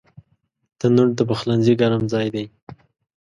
تنور د پخلنځي ګرم ځای دی